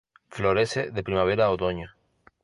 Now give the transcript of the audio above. Florece de primavera a otoño.